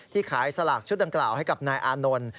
ขายสลากชุดดังกล่าวให้กับนายอานนท์